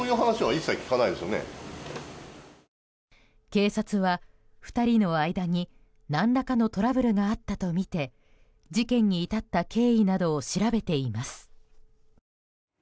警察は２人の間に何らかのトラブルがあったとみて事件に至った経緯などを調べています。